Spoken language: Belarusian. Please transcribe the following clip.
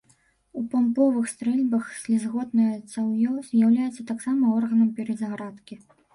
У помпавых стрэльбах слізготнае цаўё з'яўляецца таксама органам перазарадкі.